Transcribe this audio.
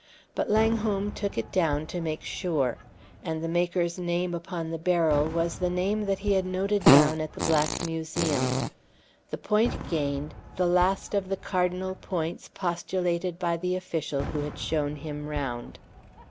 But Langholm took it down to make sure. And the maker's name upon the barrel was the name that he had noted down at the Black Museum; the point gained, the last of the cardinal points postulated by the official who had shown him round.